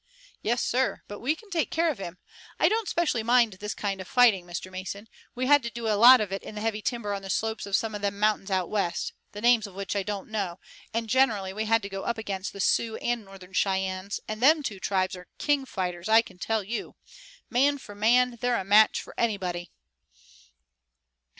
"Yes, sir, but we can take care of him. I don't specially mind this kind of fighting, Mr. Mason. We had to do a lot of it in the heavy timber on the slopes of some of them mountains out West, the names of which I don't know, and generally we had to go up against the Sioux and Northern Cheyennes, and them two tribes are king fighters, I can tell you. Man for man they're a match for anybody."